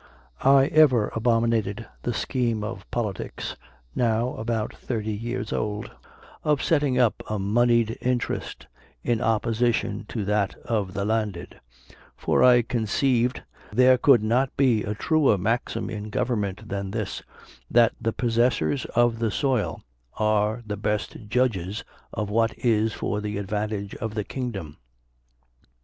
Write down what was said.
"I ever abominated that scheme of politics (now about thirty years old) of setting up a moneyed interest in opposition to that of the landed: for I conceived there could not be a truer maxim in government than this, that the possessors of the soil are the best judges of what is for the advantage of the kingdom.